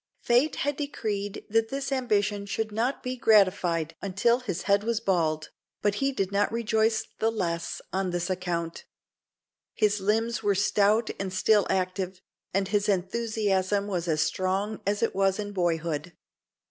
Fate had decreed that this ambition should not be gratified until his head was bald; but he did not rejoice the less on this account. His limbs were stout and still active, and his enthusiasm was as strong as it was in boyhood.